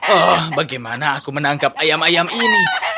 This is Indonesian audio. oh bagaimana aku menangkap ayam ayam ini